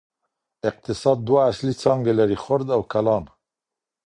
اقتصاد دوه اصلي څانګې لري: خرد او کلان.